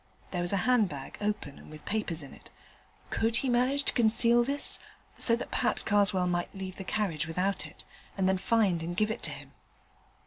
There was a handbag, open, and with papers in it. Could he manage to conceal this (so that perhaps Karswell might leave the carriage without it), and then find and give it to him?